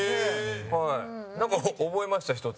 なんか、覚えました、１つ。